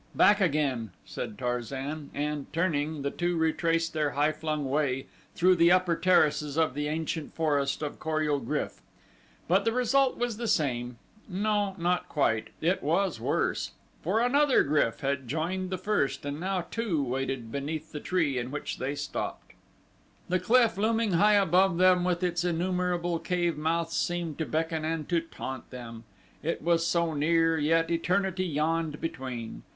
"Back again," said Tarzan, and, turning, the two retraced their high flung way through the upper terraces of the ancient forest of Kor ul GRYF. But the result was the same no, not quite; it was worse, for another GRYF had joined the first and now two waited beneath the tree in which they stopped. The cliff looming high above them with its innumerable cave mouths seemed to beckon and to taunt them. It was so near, yet eternity yawned between.